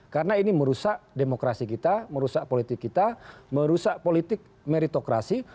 karena ini merusak demokrasi kita merusak politik kita merusak politik meritokrasi